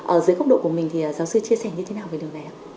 ở dưới góc độ của mình thì giáo sư chia sẻ như thế nào về điều này ạ